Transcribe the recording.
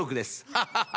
ハハハ。